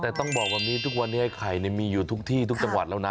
แต่ต้องบอกแบบนี้ทุกวันนี้ไอ้ไข่มีอยู่ทุกที่ทุกจังหวัดแล้วนะ